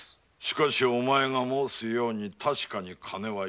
しかしお前が申すように確かに金は要る。